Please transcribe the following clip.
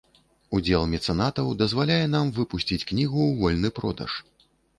Удзел мецэнатаў дазваляе нам выпусціць кнігу ў вольны продаж.